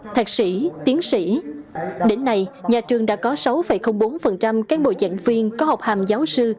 thạc sĩ tiến sĩ đến nay nhà trường đã có sáu bốn cán bộ giảng viên có học hàm giáo sư